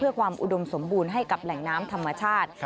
เพื่อความอุดมสมบูรณ์ให้กับแหล่งน้ำธรรมชาติ